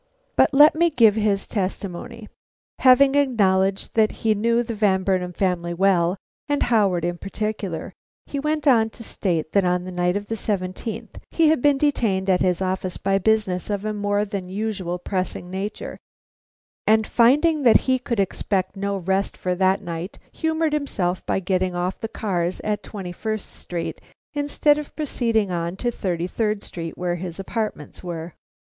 But let me give his testimony. Having acknowledged that he knew the Van Burnam family well, and Howard in particular, he went on to state that on the night of the seventeenth he had been detained at his office by business of a more than usual pressing nature, and finding that he could expect no rest for that night, humored himself by getting off the cars at Twenty first Street instead of proceeding on to Thirty third Street, where his apartments were.